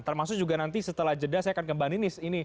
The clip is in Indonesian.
termasuk juga nanti setelah jeda saya akan ke mbak ninis